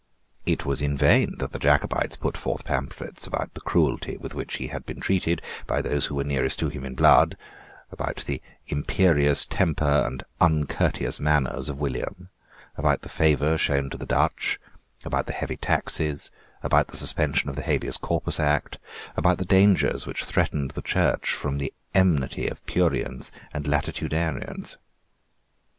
It was in vain that the Jacobites put forth pamphlets about the cruelty with which he had been treated by those who were nearest to him in blood, about the imperious temper and uncourteous manners of William, about the favour shown to the Dutch, about the heavy taxes, about the suspension of the Habeas Corpus Act, about the dangers which threatened the Church from the enmity of Puritans and Latitudinarians.